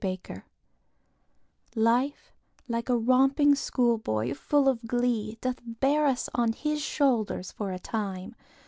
LIFE Life, like a romping schoolboy, full of glee, Doth bear us on his shoulder for a time.